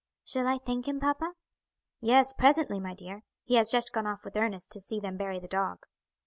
"Shall I thank him, papa?" "Yes, presently, my dear; he has just gone off with Ernest to see them bury the dog."